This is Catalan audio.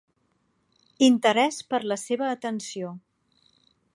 Interès per la seva atenció.